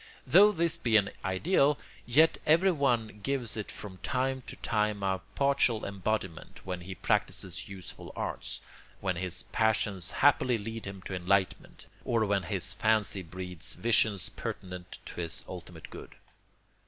Though this be an ideal, yet everyone gives it from time to time a partial embodiment when he practises useful arts, when his passions happily lead him to enlightenment, or when his fancy breeds visions pertinent to his ultimate good.